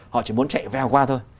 họ chỉ muốn chạy vèo qua thôi